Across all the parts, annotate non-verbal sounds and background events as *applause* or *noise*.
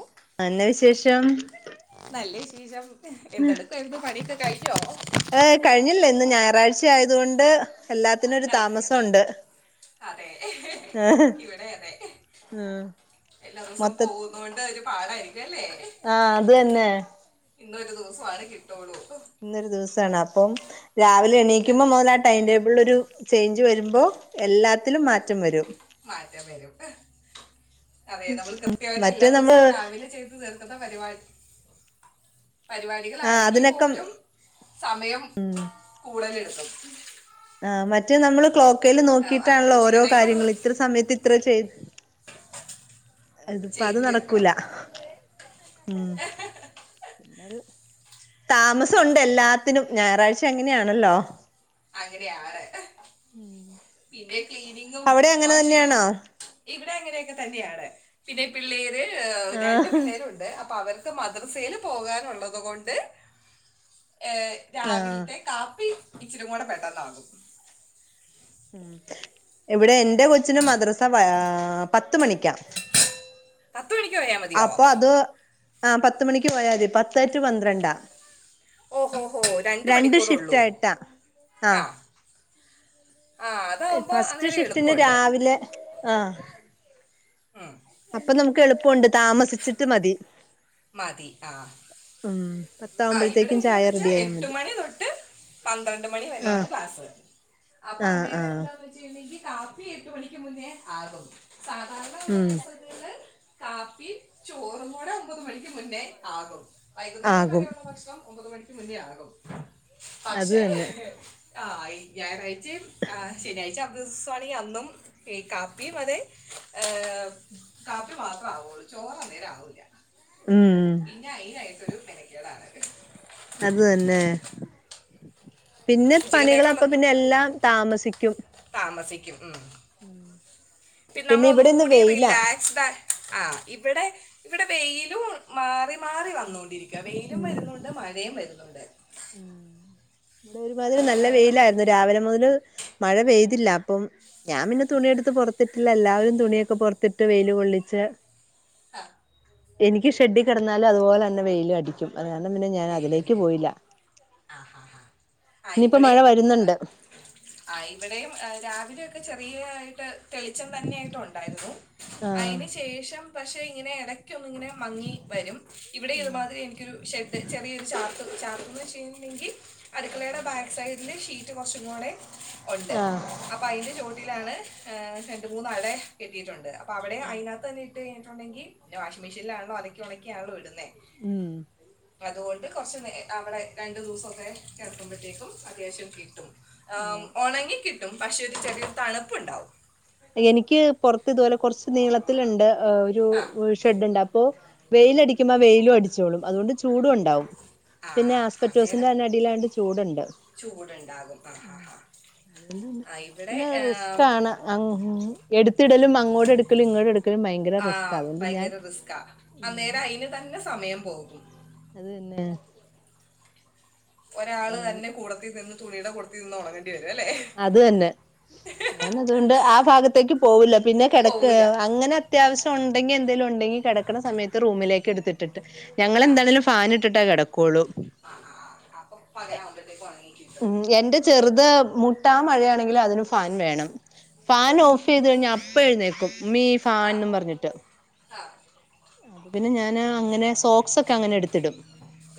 ഓക്ക് നല്ല വിശേഷം നല്ല വിശേഷം എന്തെടുക്കു ആയിരുന്നു എന്ത്‌ പണ്യോക്കെ കൈഞ്ഞോ ഏഹ് കഴിഞ്ഞില്ലേ ഇന്ന് ഞായറാഴ്ച ആയതു കൊണ്ട് എല്ലാത്തിനും ഒരു ആ, താമസം ഉണ്ട് അതെ ഇവിടെ അതെ ഉം എല്ലാ ദിവസം മൊത്ത പോവു. ഓൾടെ ഒരു പാടായിരിക്കുഅല്ലേ. ആഹ് അത് തന്നെ. ഇന്നൊരു ദുവസാരെ കിട്ടുള്ളൂ ഉ. ഇന്നൊരു ദിവസാണ് അപ്പം രാവിലെ ആ, എണീക്കുമ്പം മൊതലാ ടൈം ടേബിൾലൊരു ചെയ്ഞ്ച് വരുമ്പോ എല്ലാത്തിലും മാറ്റം വരും. മാറ്റം വരും അതെ നമ്മൾ മറ്റേ കൃത്യായിട്ടെല്ലാ ദിവസും നമ്മള് രാവിലെ ചെ ത് തീർക്കത പരിപാടി പരിപാ ആ ടികളാണെങ്കി അതിനൊക്കെ പോലും സമയം കൂടെലെടുക്കും. ആ മറ്റേ നമ്മള് ക്ലോക്കയിൽ ആ, അ- നോക്കീട്ടാണല്ലോ ഓരോ ഉച്ചക്കത്തേക്കുള്ളത് കാര്യങ്ങള് ഇത്ര സമയത്ത് ത്ര ചെയ് അത് പ്പത് ചെയ്തു തീർക്കണം നടക്കൂല. ഉം പിന്നൊരു. താമസഉണ്ട് എല്ലാത്തിനും ഞായറാഴ്ച അങ്ങനെയാണല്ലോ. അങ്ങനെയാണ് പിന്നെ ക്ലീനിങ്ങും അവിടെ അങ്ങനെ വാഷിങ്ങും. തന്നെയാണോ ഇവിടെ അങ്ങനെയൊക്കെ തന്നെയാണ് പിന്നെ പിള്ളേര് രണ്ടു ആഹ് പിള്ളേരു ഉ ദെ അപ്പ അവർക്ക് മദ്രസയിൽ പോകാനുള്ളത് കൊണ്ട് ഏഹ്. ആഹ് രാവിൽത്തെ കാപ്പി ഇച്ചരിം കൂടെ പെട്ടന്നാകും. ഉം ഇവിടെ എന്റെ കൊച്ചിന് മദ്രസ പ്യാ പത്ത് മണിക്ക്യാ. *inaudible* പത്ത് മണിക്കോയാ മ അപ്പൊ അത് ആ പത്ത് മണിക്ക് പോയാമതി പത്തെ റ്റു പന്ത്രണ്ടാ. ഓഹോ ഹോ രണ്ട് ഷിഫ്റ്റ് മണിക്കൂറൊള്ളൂ ആയിട്ടാ ആഹ്. അവ് ഫസ്റ്റ് ഷിഫ്റ്റിന് എളുപ്പമുണ്ട് രാവിലെ ആഹ്. ആഹ്. അപ്പ നമുക്ക് എളുപ്പുണ്ട് താമസിച്ചിട്ട് മതി. മതി ആഹ് ഉം ആ ഇവിടെ പത്താവുമ്പോഴത്തേക്കും ചായ എങ്ങനെയാന്ന് വെച്ചാ റെഡി ആയാൽ എട്ട് മതി മണി തൊട്ട്. പന്ത്രണ്ട് മണി വരെയാണ് ആഹ് ക്ലാസ് അപ്പ ആഹ് അന്നേരം ആഹ് എന്താന്ന് ച്ച് എനിക്ക് കാപ്പി എട്ട് മണിക്ക് മുന്നേ ആകും സാധാര ഉം. ത് കാപ്പി ചോറുംകൂടെ ഒമ്പത് മണിക്ക് മുന്നേ ആകും വൈകുന്നേരം. ആകും വരെയുള്ള ഭക്ഷണം ഒമ്പത് മണിക്ക് മുന്നേ ആകും അത് പക്ഷേ തന്നെ ആയ് ഞായറായി ച്ചിം ആ ശനിയാഴ്ച അബ്ദുസ്വാണി അന്നും ഈ കാപ്പിയും അതെ ഏഹ്. കാപ്പി മാത്രം ആവുള്ളൂ ചോറ് അന്നേരാവൂല്ല. ഉം. പിന്നെ അയ്നായിട്ടൊരു മെനക്കേടാണ്. അത് തന്നെ പിന്നെ പണികളപ്പ പിന്നെല്ലാം താമസിക്ക്യും. താമസിക്ക്യും ഉം പി പിന്നെ ഇവിടെ ഇന്ന് നമ്മളൊന്നുകൂടി വെയിലാ റിലാ സ്ടെ ആഹ് ഇവടെ ഇവടെ വെയിലും മാറി മാറി വന്നു. ണ്ടിരിക്ക വെയിലും വരുന്നുണ്ട് മഴയും വരുന്നുണ്ട്. ഉം ടെ ഒരുമാതിരി അത് നല്ല കാരണം വെയിലായിര്ന്നു രാവിലെ മുതല്. മഴ പെയ്തില്ല അപ്പം. ഞാപിന്നെ തുണിയെടുത്ത് പൊറത്തിട്ടില്ല എല്ലാവരും തുണിയൊക്കെ പൊർത്തിട്ട് വെയില് കൊള്ളിച്ച്. അ. എനിക്ക് ഷെഡി കെടന്നാലും അതു പോലന്നെ വെയിലു അടിക്ക്യും അത് കാരണം പിന്നെ ഞാൻ അതിലേക്ക് പോയില്ല. അ അ ആഹ് ആ ഇനിയിപ്പോ മഴ ഇവിടെയും അ. വരുന്നുണ്ട് ആഹ് ഇവിടെയും എ രാവിലെയക്കെ ചെറിയായിട്ട് തെളിച്ചം തന്നൊയിട്ടുണ്ടായിരുന്നു. ആഹ് അയ്ന് ശേഷം പക്ഷെ ഇങ്ങനെ എടയ്ക്കൊന്ന്ങ്ങനെ. മങ്ങി വരും ഇവിടെ ഇതു മാതിരി എനിക്കൊരു ഷെഡ് ചെറിയരു ച ചർ ചാർക്ക്ന്ന് വെച്ചഴിുണ്ടെങ്കി *unintelligible* ചന്ന് ചെയ്യുന്നുണ്ടെങ്കി അടുക്കളടെ ബാക്ക് സൈഡ്ല് ഷീറ്റ് കൊർച്ചും കൂടെ. ഉണ്ട് ആഹ് അപ്പൊ അയിന്റെ ചോട്ടിലാണ് ഏ രണ്ട് മൂന്ന് അഴേ കെട്ടിട്ടുണ്ട് അപ്പം അവിടെ അയിനകത്തെന്നെ ഇട്ട് കഴിഞ്ഞിട്ടുണ്ടെങ്കി പിന്നെ വാഷിങ് മെഷീൻലാണല്ലോ അലക്കി ഒണക്കിയാണല്ലോ ഇട്ന്നേ ഉം അതോണ്ട് കൊറച്ച് നേ അവടെ രണ്ടു ദിവസൊക്കെ കെടക്കുമ്പോഴത്തേക്കും അത്യാവശ്യം കിട്ടും ആ ആഹ് ഒണങ്ങി കിട്ടും പക്ഷെ ഒരു ചെറ്യേരു തണ്പ്പ്ണ്ടാവും. എനിക്ക് പൊറത്ത് ഇതുപോലെ കൊറച്ച് നീളത്തില്ണ്ട് ഒരു ആ ഷെഡ്ണ്ട് അപ്പൊ വെയില്ടിക്കുമ്പോ വെയിലും അടിച്ചോളും അത്കൊണ്ട് ചൂടുണ്ടാവും ആ പിന്നെ അന്നേരം ആസ്പെറ്റോസിന്റെന്നെ അടിലായൊണ്ട് ചൂട്ണ്ട് ചൂടുണ്ടാകും ആ ഹാ ഉം ഹാ ആ ഇവിടെ പിന്നെ ആം, റിസ്ക്കാണ് അങ്ങ് എടുത്തിടലും അങ്ങോട്ടെടുക്കലും ഇങ്ങോട്ടെടുക് ആഹ് ഭയങ്കര റിസ്ക്കാ അന്നേരം അയിന് തന്നെ സമയം പോകും അത് തന്നെ ഒരാള് തന്നെ കൂടത്തി നിന്ന് തുണിയുടെ കൂടത്തി നിന്ന് ഒണങ്ങേണ്ടി വരും അല്ലേ അത് തന്നെ ഞാന് അത്കൊണ്ട് ആ ഭാഗത്തേക്ക് പോവൂല്ല പിന്നെ കിടെക്ക് പോവൂല അങ്ങനെ അത്യാവശ്യം ഉണ്ടെങ്കി എന്തേലും ഉണ്ടെങ്കി കെടക്ക്ണ സമയത്ത് റൂമിലേക്ക് എട്ത്തിട്ട് ഞങ്ങെളന്താണെലും ഫാന് ഇട്ടിട്ടേ കെടക്കൊള്ളൂ ആഹ് ആഹ് അപ്പൊ പകലാവുമ്പത്തേക്കും ഒണങ്ങി ഉം എന്റെ ചെറ്ത് മുട്ടാ മഴയാണെങ്കിലും അതിന് ഫാൻ വേണം ഫാൻ ഓഫ്യ്ത് അയ്യോ കഴിഞ്ഞാ അപ്പ എഴ്ന്നേക്കും ഉമ്മീ ഫാൻന്ന് പറഞ്ഞിട്ട് ആഹ് അപ്പൊ പിന്നെ ഞാന് അങ്ങനെ സോക്സൊക്കെ അങ്ങനെ എട്ത്തിടും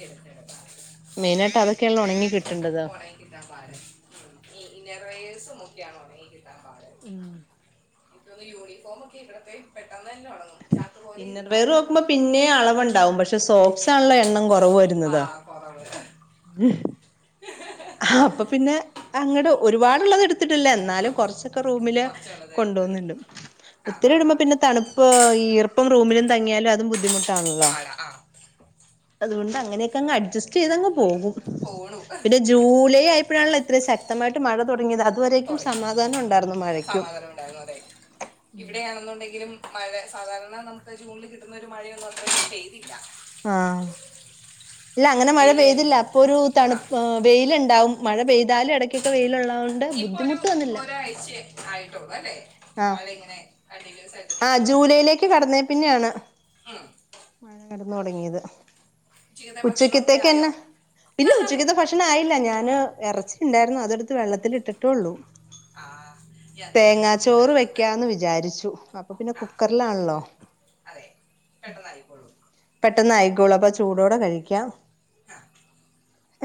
എടുത്തെടുക്കാം മെയിനായിട്ട് അതൊക്കെണല്ലോ ഒണങ്ങി കിട്ടണ്ടത് കിട്ടാ പാണ്ട് ഉം ഇ ഇന്നർവയേഴ്സും മൊക്കെയാണ് ഒണങ്ങി കിട്ടാപാട് കുട്ട്യേളെ യൂണിഫോമൊക്കെ ഇവട്ത്തെ പെട്ടെന്ന്ന്നെ ഒണങ്ങും ഇന്നർവേയർ നോക്കുമ്പോ പിന്നേം അളവ്ണ്ടാവും പക്ഷെ സോക്സാണല്ലോ എണ്ണം കൊറവ് വരുന്നത് കൊറവ് *unintelligible* അപ്പ പിന്നെ അങ്ങട് ഒരുപാട്ള്ളത് ഇട് ത്ത്ട്ടില്ല എന്നാലും കൊറച്ചൊക്കെ റൂമില് കുറച്ചുള്ളത് എടുത്തരും കൊണ്ടോന്ന്ണ്ട് ആ ഒത്തിരി ആ ഇടുമ്പോ ആ പിന്നെ തണ് പ്പ് ഈർപ്പം റൂമിലും തങ്ങിയാലും അതും ബുദ്ധിമുട്ടാണല്ലോ ആടാ ആ അത്കൊണ്ട് അങ്ങനെയൊക്കങ്ങ് അഡ്ജസ്റ്റ്യ്തങ്ങ് പോകും പോണു പിന്നെ ജൂലൈ ആയപ്പഴാണ്ല്ലേ ഇത്രേം ശക്തമായിട്ട് മഴ തോടങ്ങിയത് അത് വരേക്കും സോറി സമാധാനം ഉണ്ടായിരുന്നു മഴക്ക്യും *unintelligible* ഇവിടെയാണെന്നുണ്ടെങ്കിലും മഴെ സാധാരണ നമുക്ക് ജൂണിൽ കിട്ടുന്ന ഒരു മഴയൊന്നും അത്രയ്ക്ക് പെയ്തില്ല ആഹ് ഇല്ല അങ്ങനെ മഴ വെയിൽ പെയ്തില്ല അപ്പൊരു ആ തണ്പ്പ് ഏ വെയില്ണ്ടാവും മഴ പെയ്താലും എടെ ക്കെക്കെ വെയില്ള്ളോണ്ട് ബുദ്ധിമുട്ട്ന്നുല്ല ച്ച് ആയിട്ടൊള്ളൂ അല്ലേ മഴ ഇങ്ങനെ കണ്ടിന്യൂസാ ആഹ് ജൂലൈയിലേക്ക് കടന്നേ പിന്നെയാണ് ഉം മഴ *unintelligible* തൊടങ്ങിയത് ഉച്ചക്കത്തെ ഭക്ഷണമൊക്കെ ആയോ ഉച്ചക്കത്തേക്കെന്നെ ഇല്ല ഉച്ചക്കത്തെ ഭക്ഷ ണായില്ല ഞാന് എറച്ചി ഇണ്ടായിരുന്നു അതെട്ത്ത് വെള്ളത്തിലിട്ട് ട്ടൊള്ളു ആ ഈ അതെ ഇവിടെ തേങ്ങാ ചിക്കൻ ചോറ് അടുപ്പത്ത് വെക്കാന്ന് വിചാരിച്ചു അ ആ കുക്കറ്ലാണല്ലോ അതെ പെട്ടെന്നായിക്കോളൂ പെട്ടെന്നായിക്കോളൂ അപ്പ ചൂടോടെ കഴിക്ക്യാം ആഹ്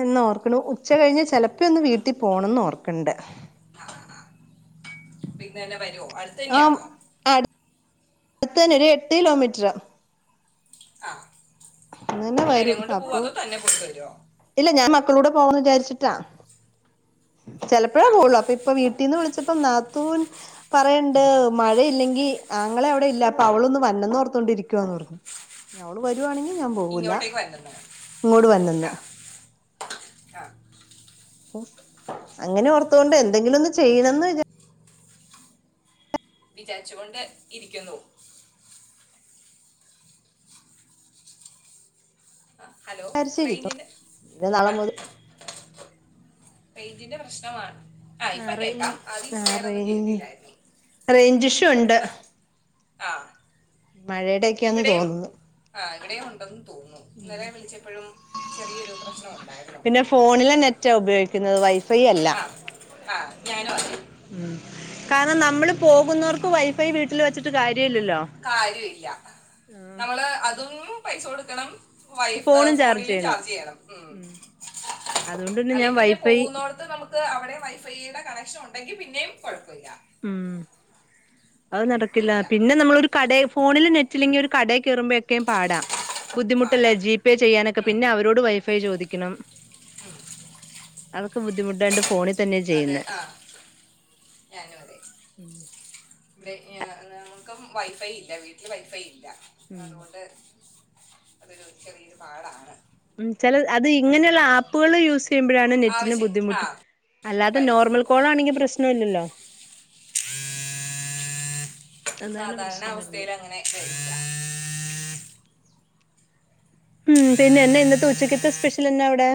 എന്നോർക്ക്ണു ഉച്ച കഴിഞ്ഞ് ചെലപ്പോന്ന് വീട്ടി പോണന്നു ഓർക്ക്ണ്ട് ആഹ് ആഹ് അപ്പ ഇന്നെന്നെ വരോ അടുത്തന്നെയാണോ അട്ത്തെന്നെ ഒരു എട്ട് കിലോമീറ്ററ് ആഹ് അങ്ങനെ വരും പിള്ളേരെകൊണ്ട് പോവാ അപ്പൊ അതോ തന്നെ പോയിട്ട് വരോ ഇല്ല ഞാൻ മക്കളൂടെ പോവാന്ന് വിചാരിച്ചിട്ടാ ചെലെപ്പഴേ ആ പോവൊള്ളു അപ്പൊ ഇപ്പ വീട്ടീന്ന് വിളിച്ചപ്പം നാത്തൂൻ പറയ്ണ്ട് മഴയില്ലെങ്കി ആങ്ങളെ അവിടെ ഇല്ല അപ്പൊ അവളൊന്ന് വരണെന്ന് ഓർത്തൊണ്ടിരിക്കുവാന്ന് പറഞ്ഞു ങ്ങേ അവള് വെരുവാണെങ്കിൽ ഞാൻ പോവൂല്ല ഇങ്ങോട്ടേക്ക് വരുന്നു ഇങ്ങോട്ട് വെര്നന്ന് ആ ആ ഓസ് അങ്ങനെ ഓർത്തോണ്ട് എന്തെങ്കിലും ഒന്ന് ചെയ്യണംന്ന് ഞാൻ വിചാരിച്ചു കൊണ്ട് ഇരിക്കുന്നു ആഹ് ഹലോ വിചാരിച്ചിരിക്കും റൈഞ്ചിന്റെ പിന്നെ നാളെ ആഹ് മുതൽ പെെന്റിന്റെ പ്രശ്നമാണ് ആഹ് ആ ഇപ്പ കേക്കാം റേഞ്ച് ആ ആദ്യച്ചിരി നേരൊന്നും റേഞ്ച് കേട്ടില്ലായിരുന്നു റേഞ്ച് ഇഷ്യൂ ഉണ്ട് ഇവിടെ ആഹ് മഴയ്ടെയെക്കെയാന്ന് തോന്നുന്നു ആഹ് ഇവിടെയും ഉണ്ടെന്ന് തോന്ന്ണു ഇന്നലെ വിളിച്ചപ്പഴും ചെറിയൊരു പ്രശ്നംഉണ്ടായിരുന്നു പിന്നെ ഫോണിലെ നെറ്റാ ഉപയോഗിക്കുന്നത് വൈഫ് ആഹ് ആഹ് നയന പറയ് ഉം കാരണം നമ്മള് പോകുന്നവർക്ക് വൈഫൈ വീട്ടില് വെച്ച്ട്ട് കാര്യം ഇല്യല്ലോ കാര്യല്ല നമ്മള് അതും പൈസ കൊട്ക്കണം വൈഫ് ഫോണും ചാർജ് ഫോണിലും ചെയ്യണം ചാർജിയ്യണം ഉം അതുകൊണ്ട് ഞാൻ അല്ലെങ്കി പിന്നെ വൈഫൈ പോവ്വുന്നോട്ത്ത് നമ് അവിടെ വൈഫൈയുടെ കണക്ഷൻ ഉണ്ടെങ്കിൽ പിന്നെയും കൊഴപ്പ ഇല്ല ഉംഅത് നടക്കില്ല കുഴപ്പമില്ല പിന്നെ നമ്മളൊരു കടേ ഫോണില് നെറ്റ് ഇല്ലെങ്കി ഒര്കടേ കേറുമ്പഴെക്കെയും പാടാ ബുദ്ധിമുട്ടല്ലേ പാടാ ജീപേ ചെയ്യാനൊക്കെ ഉം, പിന്നെ അവരോട് വൈഫൈ ചോദിക്കണം ഉം. അതൊക്കെ ബുദ്ധിമുട്ടായോണ്ട് ഫോണിൽ തന്നെ ചെയ്യ്ന്നേ ഞങ്ങളും അതെ ഉം വെ ക്ഞാ നാ നമുക്കും വൈഫൈ ഇല്ല വീട്ട്ല് വൈഫൈ ഇല്ല ഉം അതുകൊണ്ട് അതൊരു ചെറിയ പാടാണ് ഉം ചെല അത് ഇങ്ങനെള്ള ആപ്പുകള് യൂസ് തെയ്യുമ്പഴാണ് നെറ്റിന് ആവശ്യം ആ ബുദ്ധിമുട്ട് അല്ലാതെ വരുള്ളൂ നോർമൽ കോളാണെങ്കി പ്രശ്നം ഇല്ലല്ലോ അതാണ് സാധാരണ പ്രശ്നം വരുന്നത് അവസ്ഥയില് അങ്ങനെ കഴിക്യാ ഉം തെന്നെ എന്നെ ഇന്നത്തെ ഉച്ചക്കത്തെ സ്പെഷ്യൽ എന്നാ അവ്ടെ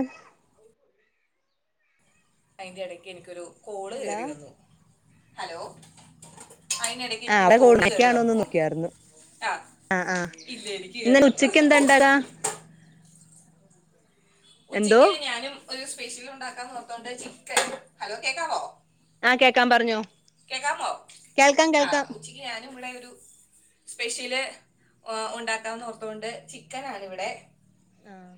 ഐന്റെ എടക്ക് എനിക്കൊരു കോള് ഹലോ കേറി വെന്നു ഹലോ ഐനെടക്ക് ആ എനിക്കൊരു അവിടെ കോള് കേറി കോണക്കാണോന്ന് വന്നു നോക്കിയായിരുന്നു ആഹ് ആ ആ ഇല്ല എനിക്ക് ഇന്ന് കേറി വന്നു ഉച്ചക്ക് എന്താ ഇണ്ടാക്കാ ഹ് ഹ എന്തോ ഉച്ചക്ക് ഞാനും ഒരു സ്പെഷ്യലുണ്ടാക്കാ നോർത്തോണ്ട് ചിക്കൻ ഹലോ കേക്കാവോ ആ കേക്കാൻ പറഞ്ഞോ കേക്കാമൊ കേൾക്കാം ആഹ് കേൾക്കാം ഉച്ചക്ക് ഞാനും ഇവിടെ ഒരു സ്പെഷ്യല് ഓ ഉണ്ടാക്കാംന്ന് ഓർത്തോണ്ട് ചിക്കൻ ആണ് ഇവിടെ ആഹ്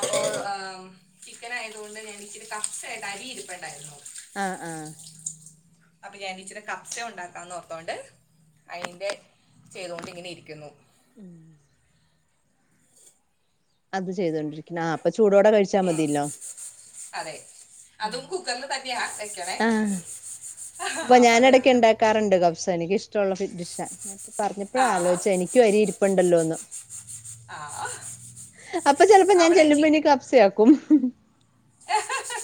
അപ്പോൾ അം ചിക്കൻ ആയതുകൊണ്ട് ഞാൻ ഇച്ചിരി കപ്സ ഇണ്ടെ അരി ഇരിപ്പ്ണ്ടായിരുന്നു ആഹ് ആഹ് അപ്പൊ ഞാൻ ഇച്ചിരി കപ്സ ഉണ്ടാക്കാന്ന് ഓർത്തോണ്ട് ഐന്റെ ചെയ്താേണ്ട് ഇങ്ങനെ ഇരിക്കുന്നു ഉം അത് ചെയ്തോണ്ടിരിക്ക്ന്നു ആഹ് അപ്പൊ ചൂടോടെ കഴിച്ചാ മതിയില്ലോ സ് അതെ അതും കുക്കറില് തന്നിയാ വെക്ക്ണേ ആ അഹ ഹാ അപത് കാര്നം കറണ്ട് കബ്സ എനിക്ക് ഇഷ്ടമുള്ള ഫിഡ് ഡിഷാ ഞാന്പ്പൊ പറഞ്ഞപ്പഴാ ആ ആലോയിച്ചത് എനി ക്കും അരി ഇര്പ്പ്ണ്ടല്ലോന്ന് ആ അപ്പൊ ചെലപ്പോ ഞാൻ അവിടെ ചി ചെല്ലുമ്പാെ ഇനി കബ് സെയാക്കും ഇഹ് ഹ് എഹ ഹ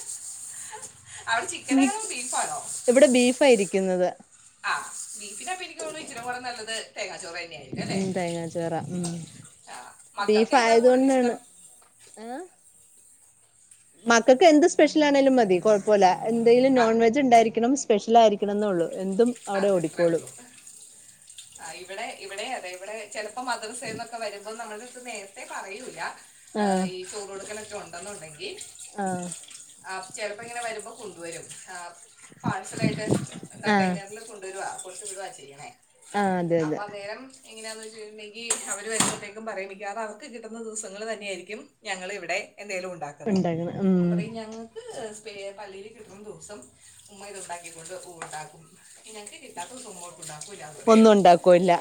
അവ്ടെ ചിക്കനാണോ ബീഫാണോ ഇവിടെ ബീഫാ ഇരിക്ക്ന്നത് ആഹ് ബീഫിനൊപ്പം എനിക്ക് തോന്ന്ണത് ഇച്ചിരിംകൂടെ നല്ലത് തേങ്ങാച്ചോറി ഉം തേങ്ങാചോറാ ഉം ആ ബീഫ് മക്കൾക്ക് ഏതാ ആയത് കൂടുതൽ ഇഷ്ടം കൊണ്ടാണ് ആഹ് മക്കൾക്ക് എന്ത് സ്പെഷ്യൽ ആണേലും മതി കൊഴപ്പവില്ല എന്തെലും ആ നോൺവെജ് ഉണ്ടായിരിക്കണം സ്പെഷ്യൽ ആയിരിക്കണോന്നേ ഒള്ളു എന്തും അവിടെ അത് അത്രേ ഓടിക്കോളും ഒള്ളു ആ ഇവിടെ ഇവിടെയും അതെ ഇവിടെ ചെലപ്പോ മദ്രസേന്നൊക്കെ വരുമ്പോ നമ്മടേ അടുത്ത് നേരത്തെ പറയൂല ആഹ് ഈ ചോറ് കൊടുക്കലൊക്കെ ഉണ്ടെന്നുണ്ടെങ്കിൽ ആഹ് ആഹ് ചെലപ്പം ഇങ്ങനെ വരുമ്പോ കൊണ്ടുവരും ആ പാഴ്സലായിട്ട് ആഹ് കണ്ട കൊണ്ടുവരുവാ കൊടുത്ത് വിടുവാ ചെയ്യണേ ആഹ് അതെ അപ്പൊ അതെ അന്നേരം എങ്ങനെയാന്ന് വെച്ച് കഴിഞ്ഞിട്ടുണ്ടെങ്കിൽ അവര് വരുമ്പഴത്തേക്കും പറയും മിക്കവാറും അവർക്ക് കിട്ടുന്ന ദിവസങ്ങൾ തന്നെയായിരിക്കും ഞങ്ങൾ ഇവിടെ എന്തെങ്കിലും ഉണ്ടാക്കുന്നേ ഉണ്ടാക്കണം അപ്പോ ഉം പറയും ഞങ്ങ പള്ളീൽ കിട്ടുന്ന ദിവസം ഉമ്മ ഇത് ഉണ്ടാക്കിക്കൊണ്ട് വക്കും ഉണ്ടാക്കും ഞങ്ങക്ക് കിട്ടാത്ത ദിവസം ഉമ്മ ഒട്ട് ഉണ്ടാക്കുകയും ഇല്ലാന്ന് പറയും ഒന്നും ഉണ്ടാക്കുവോല്ല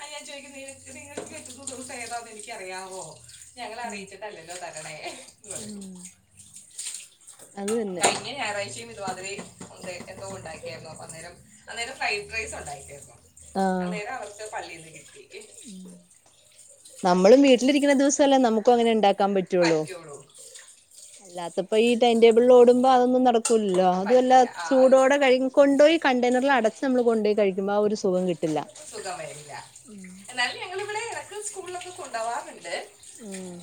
അയിന് ഞാൻ ചോയിക്കും നിങ്ങൾ നിങ്ങൾക്ക് കിട്ടുന്ന ദിവസം ഏതാന്ന് എനിക്ക് അറിയാവോ ഞങ്ങളെ ഉം അറിയിച്ചിട്ടല്ല ല്ലോ തരണേ എന്ന് ഉം പറയും അത് തന്നെ കഴിഞ്ഞ ഞായറാഴ്ചയും ഇത് മാതിരി ഉണ്ടായിരുന്നു എന്തോ ഉണ്ടാക്കിയായിരുന്നു അന്നേരം അന്നേരം ഫ്രൈഡ് റൈസ് ഉണ്ടാക്കിയായിരുന്നു അന്നേരം അവർക്ക് പള്ളീന്ന് കിട്ടി ഉം നമ്മളും വീട്ടിലിരിക്കുന്ന ദിവസവല്ലേ നമുക്കും അങ്ങനെ ഉണ്ടാക്കാൻ പറ്റൂള്ളു പറ്റുള്ളൂ അല്ലാത്തപ്പോ ഈ ടൈം ടേബിളിൽ ഓടുമ്പോ അതൊന്നും നടക്കൂലല്ലോ അതുവല്ല പറ്റൂല ആ ചൂടോടെ കഴി കൊണ്ടോയി കണ്ടെയ്നറിൽ അടച്ച് നമ്മള് കൊണ്ടോയി കഴിക്കുമ്പോ ആ ഒരു സുഖം കിട്ടില്ല സുഖം വരില്ല എന്നാലും ഞങ്ങൾവിടെ ഇടക്ക് സ്കൂളിലൊക്കെ കൊണ്ടോവാറുണ്ട് ഉം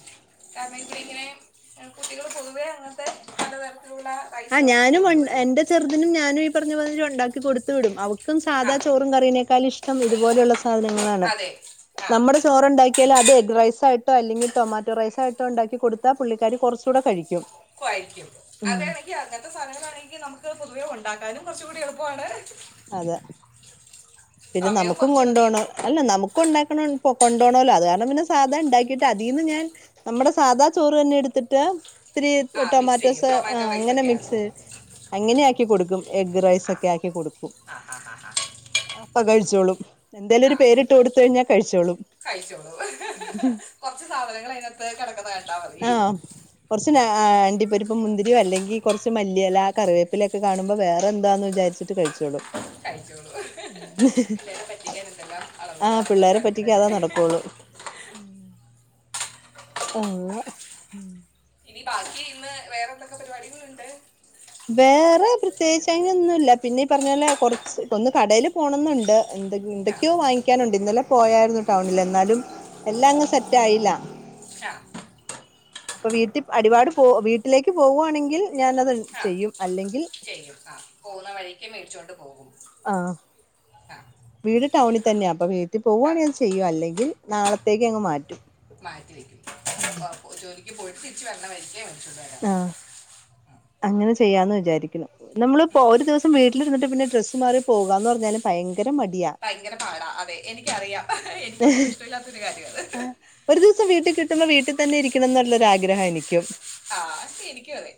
കാരണം ഇവിടിങ്ങനെ കുട്ടികള് പൊതുവേ അങ്ങനത്തെ പല തരത്തിലുള്ള ആഹ് റൈസുകളൊക്കെ ഞാനും കൊണ്ടുവരും എന്റെ ചെറുതിനും ഞാനും ഈ പറഞ്ഞ മാതിരി ഉണ്ടാക്കി കൊടുത്ത് വിടും അവ ക്കും ആ സാധാ ചോറും കറീനേക്കാളും ഇഷ്ടം ഇതുപോലെയുള്ള സാധനങ്ങളാണ് അതെ ആ നമ്മുടെ ചോറുണ്ടാ ക്കിയാലത് എഗ് റൈസായിട്ടോ അല്ലെങ്കിൽ ട്ടൊമാറ്റോ റൈസായിട്ടോ ഉണ്ടാക്കി കൊടുത്താൽ പുള്ളിക്കാരി കൊറച്ചുകൂടെ കഴിക്കും കായിക്കും അതേ അങ്ങനത്തെ സാധനങ്ങളാണെങ്കിൽ നമുക്ക് പൊതുവേ ഉണ്ടാക്കാനും കൊറച്ചും കൂടി എളുപ്പമാണ് അതെ പിന്നെ സമയവും നമുക്കും കുറച്ച് മതി കൊണ്ടോണം അല്ല നമുക്കും ഉണ്ടാക്കണം കൊണ്ടോണോല്ലോ അത് കാരണം പിന്ന സാധ ഇണ്ടാക്കിയിട്ട് അതീന്ന് ഞാൻ നമ്മടെ സാധാ ചോറ് തന്നെ എടുത്തിട്ട് ഇത്തിരി ആ മിക്സ് ചെയ്യും ടൊമാറ്റോസ് ആ ടൊമാറ്റോ റൈസ് അങ്ങനെ ഒക്കെ ആക്കും മിക്സ് അങ്ങനെയാക്കി കൊടുക്കും എഗ് റൈസൊക്കെ ആക്കി കൊടുക്കും ആഹ് ആഹ് ആഹ് ആഹ് അപ്പോ കഴിച്ചോളും എന്തേലും ഒരു പേരിട്ട് കൊടുത്ത് കഴിഞ്ഞാൽ കഴിച്ചോളും കഴിച്ചോളും കൊറച്ച് സാധനങ്ങൾ അതിനകത്ത് കെടക്കുന്ന ക ആഹ് കൊറച്ച് അണ്ടിപ്പരിപ്പും മുന്തിരിയും അല്ലെങ്കി കൊറച്ച് മല്ലിയെല കറിവേപ്പില ഒ ക്കെ കാണുമ്പോ വേറെന്താന്ന് വിചാരിച്ചിട്ട് കഴിച്ചോളും കഴിച്ചോളും പിള്ളേരെ പറ്റിക്കാൻ എന്തെല്ലാം ആ അടവുകളാ നമ്മള് കാണിക്കണല്ലേ ഉം കൊള്ളാം ഉം ഇനി ബാക്കി ഇന്ന് വേറെന്തൊക്കെ പരിപാടികളുണ്ട് വേറെ പ്രത്യേകിച്ച് അതിനൊന്നുവില്ല പിന്നെ ഈ പറഞ്ഞ പോലെ കൊറച്ച് ഒന്ന് കടേല് പോണോന്നുണ്ട് എ ആ ന്തൊക്കെയോ വാങ്ങിക്കാനുണ്ട് ഇന്നലെ പോയാരുന്നു ടൗണില് എന്നാലും എല്ലാം അങ്ങ് സെറ്റ് ആയില്ല ആഹ് അപ്പൊ വീട്ടിൽ അടിപാട് പോ വീട്ടിലേക്ക് പോവുവാണെങ്കിൽ ഞാൻ അത് ആ ചെയ്യും അല്ലെങ്കിൽ ചെയ്യും ആ പോന്ന വഴിക്ക് മേടിച്ചോണ്ട് പോവും ആഹ് വീട് ടൗണിൽ തന്നെയാ അപ്പൊ വീട്ടിൽ ആ, പോവുവാണെങ്കിൽ അത് ചെയ്യും അല്ലെങ്കിൽ നാളത്തേക്ക് അങ്ങ് മാറ്റും മാറ്റി വെക്കും ആ ജോലിക്ക് പോയിട്ട് തിരിച്ച് വരണ വഴിക്ക് ആഹ് അങ്ങനെ ചെയ്യാന്ന് വിചാരിക്കുന്നു നമ്മളിപ്പോ ഒരു ദിവസം വീട്ടിലിരുന്നിട്ട് പിന്നെ ഡ്രസ്സ് മാറി പോകാന്ന് പറഞ്ഞാല് ഭയങ്കര മടിയാ ഭയങ്കര പാടാ അതെ എനിക്കറിയാ എനിക്ക് ഒട്ടും ഇഷ്ടല്ലാത്തൊരു കാര്യ അത് ആഹ് ഒരു ദിവസം വീട്ടിൽ കിട്ടുമ്പോ വീട്ടിൽ തന്നെ ഇരിക്കണം എന്നുള്ളൊരു ആഗ്രഹാ എനിക്കും ആഹ് അതൊക്കെ എനിക്കും അതേ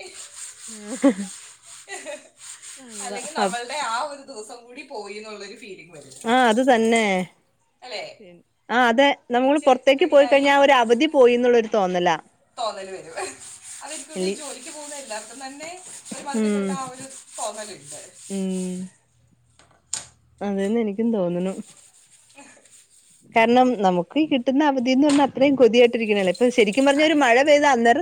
ആ അല്ലെങ്കിൽ നമ്മള് അല്ലെ ആ ഒരു ദിവസംകൂടി പോയി എന്നുള്ളൊരു ഫീല് ആഹ് അത് തന്നെ അല്ലേ ആഹ് അതെ നമ്മൾ കുളിച്ച് പൊർത്തേക്ക് പോയി റെഡിയായി കഴിഞ്ഞാ ഒരവധി പോയിന്നുള്ളൊരു തോന്നല തോന്നല് വരും അതൻക്കൊന്നെ ഈ ജോലിക്ക് പോകുന്ന എല്ലാർക്കും തന്നെ ഒരു മതിരിപ്പെട്ട ആ ഒരു തോന്നല്ണ്ട് മ് അതന്നെ എനിക്കും തോന്നുണു കാരണം നമുക്ക് കിട്ടുന്ന അവധിന്ന് പറഞ്ഞാ അത്രയും കൊതിയാട്ടിരിക്ക്ണല്ലേ ഇപ്പൊ ശെരിക്കും പറഞ്ഞാൽ ഒര് അതെ മഴ പെയ്ത അന്നേരം